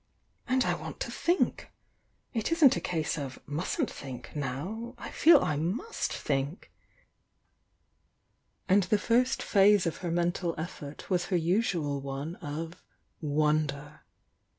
"And 1 want to think! It isn't a case of 'mustn't think' now — I feel I must think!" And the first phase of her mental effort was her 181 182 THE YOUNG DIANA Al usual one of "wonder."